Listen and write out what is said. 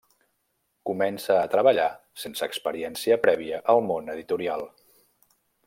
Comença a treballar, sense experiència prèvia, al món editorial.